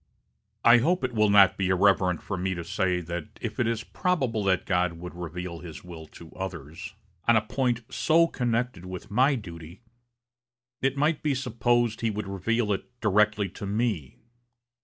I hope it will not be irreverent for me to say that if it is probable that God would reveal his will to others, on a point so connected with my duty, it might be supposed he would reveal it directly to me....